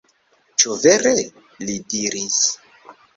Ĉu vere? li diris.